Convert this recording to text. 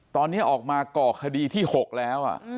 ตอนนี้ออกมาก่อคดีที่๖แล้ว